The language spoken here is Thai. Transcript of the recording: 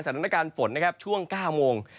สังดารการฝนช่วง๙โมง